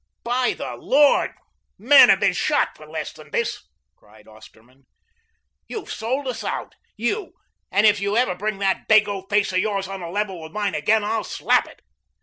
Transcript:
"By the Lord! men have been shot for less than this," cried Osterman. "You've sold us out, you, and if you ever bring that dago face of yours on a level with mine again, I'll slap it."